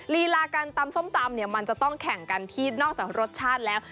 ลีลาการตำส้มตำเนี่ยมันจะต้องแข่งกันที่นอกจากรสชาติแล้ว